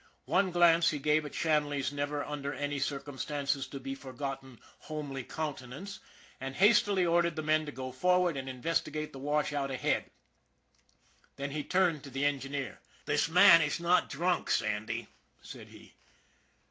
One glance he gave at Shanley's never under any circumstances to be for gotten homely countenance, and hastily ordered the men to go forward and investigate the washout ahead. Then he turned to the engineer. " The man is not drunk, Sandy," said he.